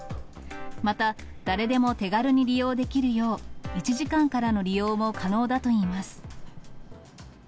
また、誰でも手軽に利用できるよう、１時間からの利用も可能だといいます。